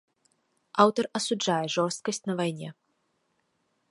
Аўтар асуджае жорсткасць на вайне.